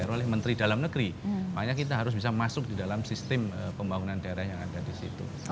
oleh menteri dalam negeri makanya kita harus bisa masuk di dalam sistem pembangunan daerah yang ada di situ